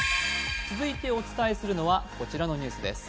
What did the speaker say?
続いてお伝えするのはこちらのニュースです。